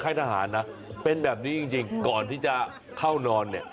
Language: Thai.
ทหารนะเป็นแบบนี้จริงก่อนที่จะเข้านอนเนี่ย